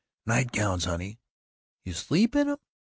"Night gowns, honey." "You SLEEP in 'em?"